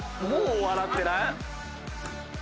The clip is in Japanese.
もう笑ってない？